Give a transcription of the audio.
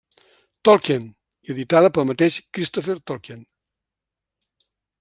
Tolkien i editada pel mateix Christopher Tolkien.